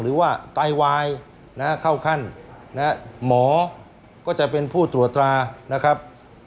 หรือว่าไตวายเข้าขั้นหมอก็จะเป็นผู้ตรวจตรานะครับ